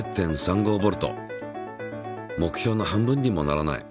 目標の半分にもならない。